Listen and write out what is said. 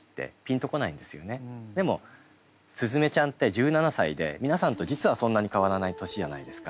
でも鈴芽ちゃんって１７歳で皆さんと実はそんなに変わらない年じゃないですか。